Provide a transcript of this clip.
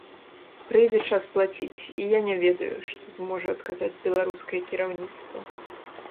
Прыйдзе час плаціць, і я не ведаю, што зможа адказаць беларускае кіраўніцтва.